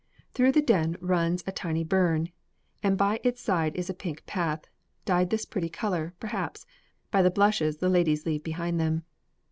Through the Den runs a tiny burn, and by its side is a pink path, dyed this pretty color, perhaps, by the blushes the ladies leave behind them.